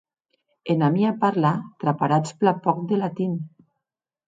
Ena mia parla traparatz plan pòc de latin.